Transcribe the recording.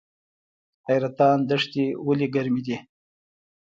حیرتان دښتې ولې ګرمې دي؟